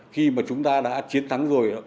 khi mà chúng ta đã chiến thắng rồi